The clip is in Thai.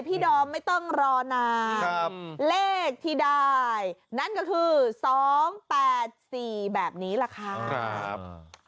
พี่ดอมไม่ต้องรอนานครับเลขที่ได้นั่นก็คือสองแปดสี่แบบนี้แหละค่ะครับ